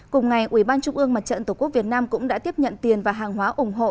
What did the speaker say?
cùng ngày ubnd tổ quốc việt nam cũng đã tiếp nhận tiền và hàng hóa ủng hộ